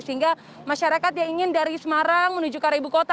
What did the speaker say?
sehingga masyarakat yang ingin dari semarang menuju ke arah ibu kota